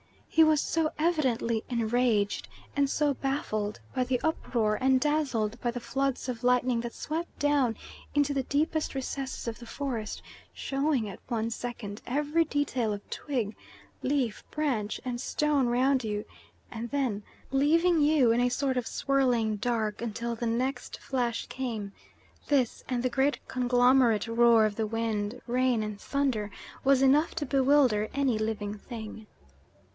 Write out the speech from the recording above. He was so evidently enraged and baffled by the uproar and dazzled by the floods of lightning that swept down into the deepest recesses of the forest, showing at one second every detail of twig, leaf, branch, and stone round you, and then leaving you in a sort of swirling dark until the next flash came; this, and the great conglomerate roar of the wind, rain and thunder, was enough to bewilder any living thing.